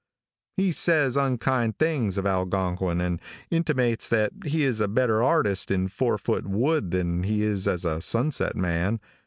He says unkind things of Algonquin, and intimates that he is a better artist in four foot wood than he is as a sunset man.